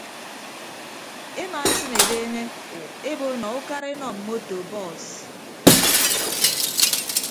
Emaesịn ebeeñe ebo nọ ukara enọ mmoto bọọs.